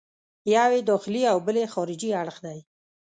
یو یې داخلي او بل یې خارجي اړخ دی.